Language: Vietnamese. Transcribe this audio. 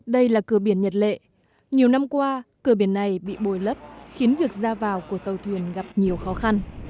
đây là cửa biển nhật lệ nhiều năm qua cửa biển này bị bồi lấp khiến việc ra vào của tàu thuyền gặp nhiều khó khăn